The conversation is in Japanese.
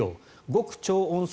極超音速